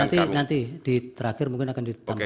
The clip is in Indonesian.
ya nanti nanti di terakhir mungkin akan ditambahkan